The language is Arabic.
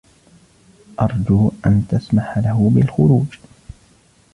أرجو أن تسمح له بالخروج.